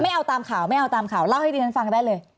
เอาตามข่าวไม่เอาตามข่าวเล่าให้ดิฉันฟังได้เลย